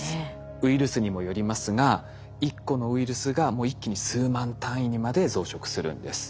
ウイルスにもよりますが１個のウイルスがもう一気に数万単位にまで増殖するんです。